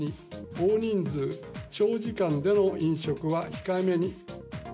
大人数、長時間での飲食は控えめに。